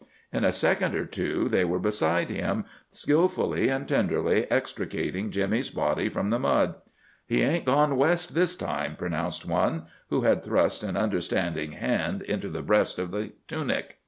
In a second or two they were beside him, skilfully and tenderly extricating Jimmy's body from the mud. "He ain't gone west this time," pronounced one, who had thrust an understanding hand into the breast of the tunic.